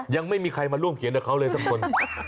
ยังไม่มีใครมาร่วมเขียนกับเขาเลยสักคน